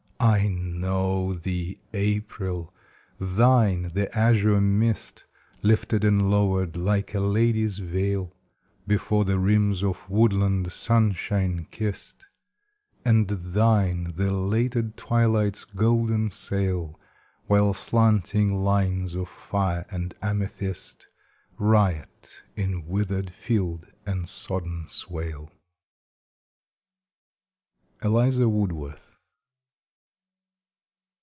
I know thee, April! thine the azure mist, Lifted and lowered, like a lady's veil, Before the rims of woodland sunshine kissed; And thine the lated twilight's golden sail, When slanting lines of fire and amethyst, Riot in withered field and sodden swale. —Eliza Woodworth.